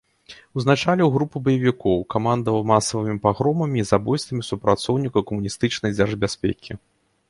Узначаліў групу баевікоў, камандаваў масавымі пагромамі і забойствамі супрацоўнікаў камуністычнай дзяржбяспекі.